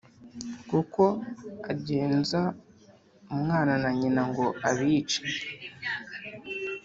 kuko agenza umwana nanyina ngo abice